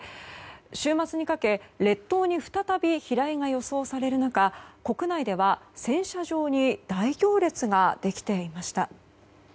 週末にかけ、列島に再び飛来が予想される中国内では洗車場に大行列ができていました。